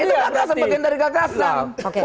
itu gagasan bagian dari gagasan